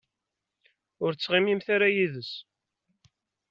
Ur ttɣimimt ara yid-s.